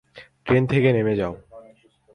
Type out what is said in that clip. Train থেকে নেমে যাও।